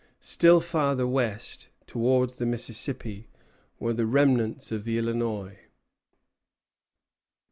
Still farther west, towards the Mississippi, were the remnants of the Illinois.